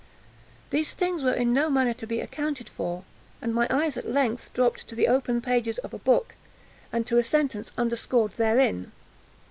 These things were in no manner to be accounted for, and my eyes at length dropped to the open pages of a book, and to a sentence underscored therein.